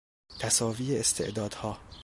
تساوی استعدادها